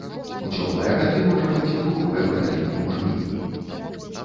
У цёплыя гады можа быць другое пакаленне ў жніўні.